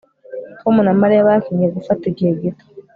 Tom na Mariya bakinnye gufata igihe gito